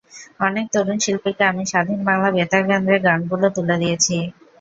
অনেক তরুণ শিল্পীকে আমি স্বাধীন বাংলা বেতার কেন্দ্রের গানগুলো তুলে দিয়েছি।